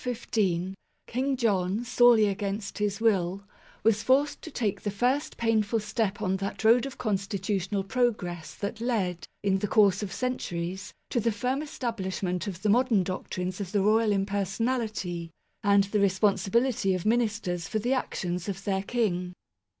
In 1215, King John, sorely against his will, was forced to take the first painful step on that road of constitu tional progress that led, in the course of centuries, to the firm establishment of the modern doctrines of the i 2 MAGNA CARTA (1215 1915) Royal Impersonality, and the Responsibility of Minis ters for the actions of their King.